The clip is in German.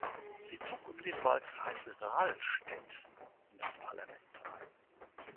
Sie zog über den Wahlkreis Rahlstedt in das Parlament ein.